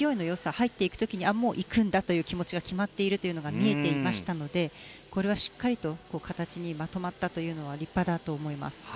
入っていく時にはもういくんだという気持ちが決まっているのが見えていましたのでこれはしっかりと形にまとまったというのは立派だと思います。